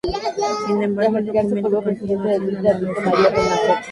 Sin embargo, el documento continúa siendo analizado.